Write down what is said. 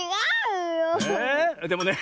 えでもね